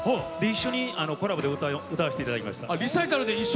一緒にコラボで歌わせていただきました。